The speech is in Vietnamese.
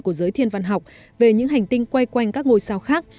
của giới thiên văn học về những hành tinh quay quanh các ngôi sao khác